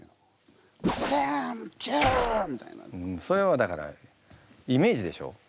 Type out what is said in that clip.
それはだからイメージでしょ。